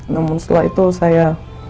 namun setelah itu saya